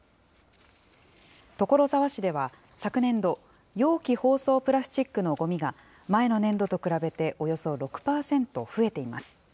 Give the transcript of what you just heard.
所沢市では、昨年度、容器包装プラスチックのごみが、前の年度と比べておよそ６％増えています。